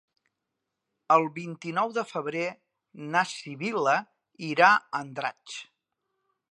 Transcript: El vint-i-nou de febrer na Sibil·la irà a Andratx.